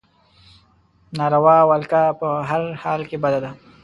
ناروا ولکه په هر حال کې بده ده.